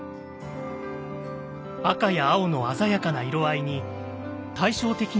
赤や青の鮮やかな色合いに対照的な「柿渋」。